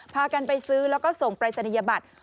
พากันไปซื้อแล้วก็ส่งปรายศนียบัตร